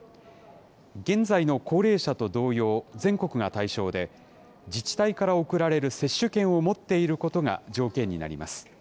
現在の高齢者と同様、全国が対象で、自治体から送られる接種券を持っていることが条件になります。